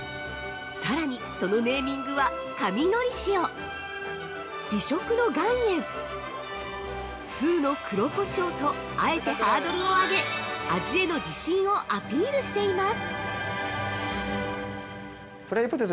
さらに、そのネーミングは、「神のり塩」「美食の岩塩」「通の黒胡椒」とあえてハードルを上げ、味への自信をアピールしています！